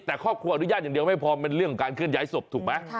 แต่ครอบครัวอนุญาตอย่างเดียวไม่พอมันเป็นเรื่องของการเคลื่อยศพถูกไหม